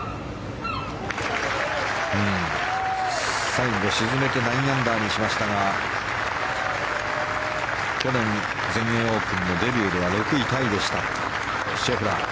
最後沈めて９アンダーにしましたが去年、全英オープンのデビューでは６位タイでしたシェフラー。